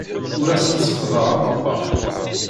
Ur asen-seffḍeɣ aɣebbar.